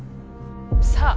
さあ？